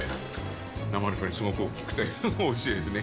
名前のとおりすごく大きくておいしいですね。